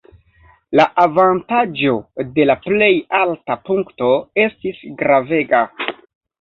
La avantaĝo de la plej alta punkto estis gravega.